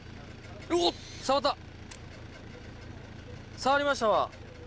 触りました？